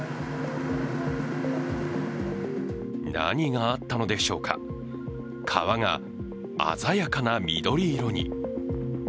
何があったのでしょうか、川が鮮やかな緑色に。